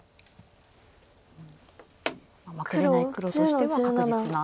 負けれない黒としては確実な。